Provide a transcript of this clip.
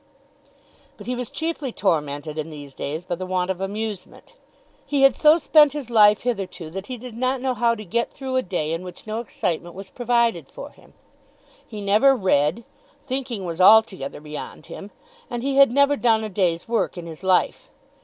But he was chiefly tormented in these days by the want of amusement. He had so spent his life hitherto that he did not know how to get through a day in which no excitement was provided for him. He never read. Thinking was altogether beyond him. And he had never done a day's work in his life.